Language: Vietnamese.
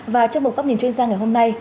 và trong một góc nhìn chuyên gia ngày hôm nay